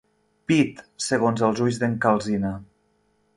Pit segons els ulls d'en Calsina.